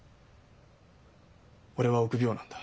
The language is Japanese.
俺は臆病なんだ。